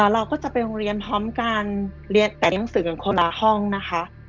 เราก็จะไปโรงเรียนพร้อมกันเรียนแต่หนังสือกันคนละห้องนะคะ